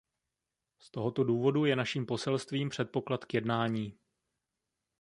Z tohoto důvodu je naším poselstvím předpoklad k jednání.